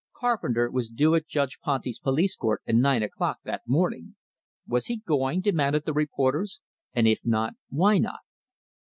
Carpenter was due at Judge Ponty's police court at nine o'clock that morning. Was he going? demanded the reporters, and if not, why not?